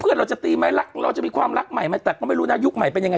เราจะตีไหมรักเราจะมีความรักใหม่ไหมแต่ก็ไม่รู้นะยุคใหม่เป็นยังไง